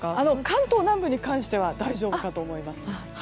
関東南部に関しては大丈夫かと思います。